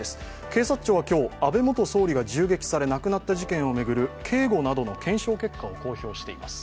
警察庁は今日、安倍元総理が銃撃され亡くなった事件を巡る警護などの検証結果を公表しています。